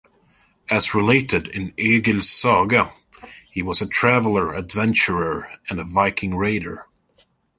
As related in Egil's Saga, he was a traveler, adventurer, and Viking raider.